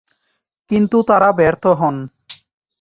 কিন্তু তারা ব্যার্থ হন।